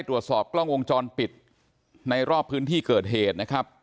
ตรวจสอบกล้องวงจรปิดในรอบพื้นที่เกิดเหตุนะครับ